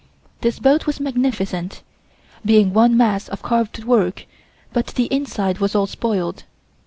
This boat was magnificent, being one mass of carved work, but the inside was all spoiled.